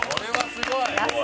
すごい。